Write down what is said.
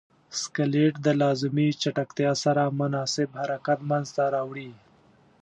سکلیټ د لازمې چټکتیا سره مناسب حرکت منځ ته راوړي.